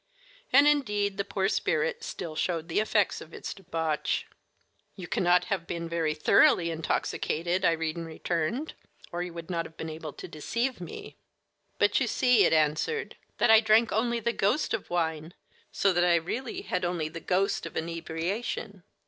And, indeed, the poor spirit still showed the effects of its debauch. "You cannot have been very thoroughly intoxicated," Irene returned, "or you would not have been able to deceive me." "But you see," it answered, "that I drank only the ghost of wine, so that I really had only the ghost of inebriation."